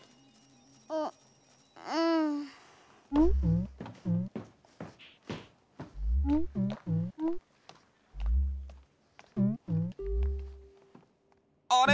ううん。あれ？